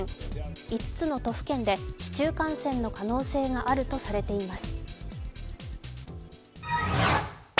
５つの都府県で市中感染の可能性があるとされています。